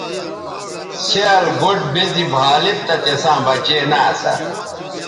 څھیال گوٹھ بے زی بھا لید تہ تِساں بچے نہ اسا۔